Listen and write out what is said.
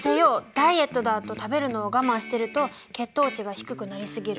ダイエットだ！」と食べるのを我慢してると血糖値が低くなり過ぎる。